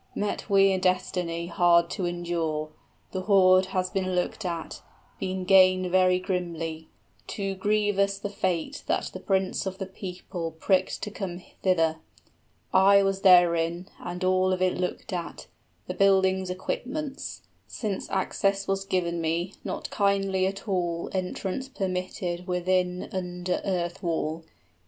Met we a destiny Hard to endure: the hoard has been looked at, Been gained very grimly; too grievous the fate that The prince of the people pricked to come thither. 30 I was therein and all of it looked at, The building's equipments, since access was given me, Not kindly at all entrance permitted {He tells them of Beowulf's last moments.} Within under earth wall.